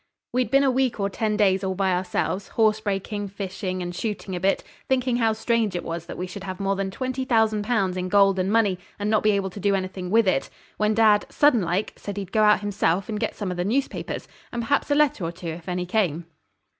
We'd been a week or ten days all by ourselves, horse breaking, fishing, and shooting a bit, thinking how strange it was that we should have more than 20,000 Pounds in gold and money and not be able to do anything with it, when dad, sudden like, said he'd go out himself and get some of the newspapers, and perhaps a letter or two if any came.